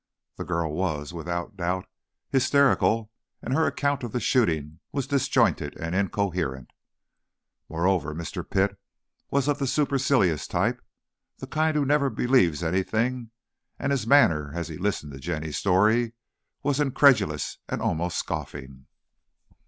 The girl was, without doubt, hysterical, and her account of the shooting was disjointed and incoherent. Moreover, Mr. Pitt was of the supercilious type, the kind who never believes anything, and his manner, as he listened to Jenny's story, was incredulous and almost scoffing.